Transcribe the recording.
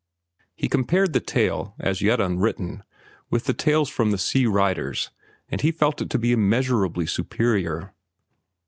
He compared the tale, as yet unwritten, with the tales of the sea writers, and he felt it to be immeasurably superior.